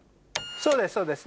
そうですそうです。